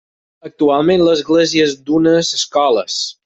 Actualment l'església és d'unes escoles.